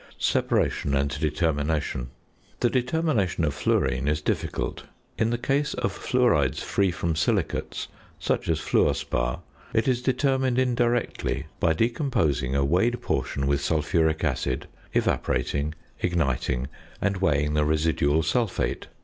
~Separation and Determination.~ The determination of fluorine is difficult. In the case of fluorides free from silicates (such as fluor spar), it is determined indirectly by decomposing a weighed portion with sulphuric acid, evaporating, igniting, and weighing the residual sulphate.